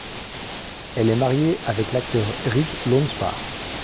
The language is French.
Elle est marié avec l'acteur Rik Launspach.